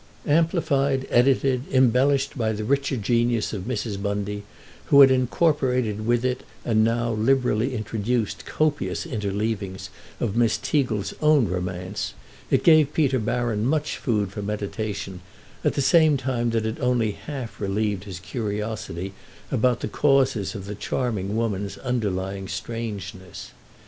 Amplified, edited, embellished by the richer genius of Mrs. Bundy, who had incorporated with it and now liberally introduced copious interleavings of Miss Teagle's own romance, it gave Peter Baron much food for meditation, at the same time that it only half relieved his curiosity about the causes of the charming woman's underlying strangeness.